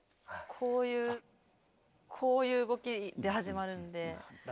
こういうこういう動きで始まるんで。